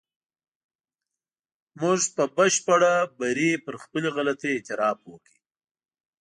موږ په بشپړ بري پر خپلې غلطۍ اعتراف وکړ.